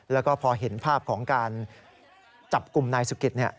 แล้วก็พอเห็นภาพของการจับกลุ่มนายสุกิต